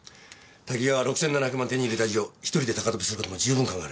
多岐川は６７００万手に入れた以上１人で高飛びする事も十分考えられる。